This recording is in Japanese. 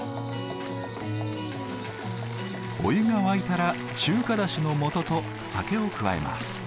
お湯が沸いたら中華だしのもとと酒を加えます。